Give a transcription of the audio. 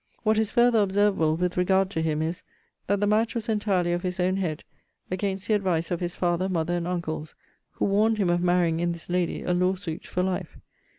What is further observable, with regard to him, is, that the match was entirely of his own head, against the advice of his father, mother, and uncles, who warned him of marrying in this lady a law suit for life.